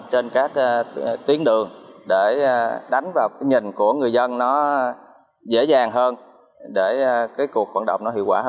trên các đoàn thể phường